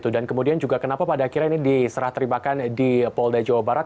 kemudian juga kenapa pada akhirnya ini diserah terimakan di polda jawa barat